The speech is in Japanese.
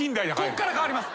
こっから変わります。